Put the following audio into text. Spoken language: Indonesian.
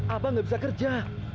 abang gak bisa kerja